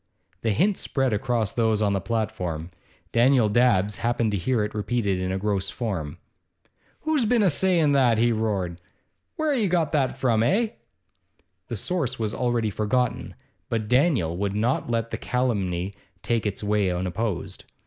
The hint spread among those on the platform. Daniel Dabbs happened to hear it repeated in a gross form. 'Who's been a sayin' that?' he roared. 'Where have you got that from, eh?' The source was already forgotten, but Daniel would not let the calumny take its way unopposed.